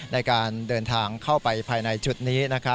ในการเดินทางเข้าไปภายในจุดนี้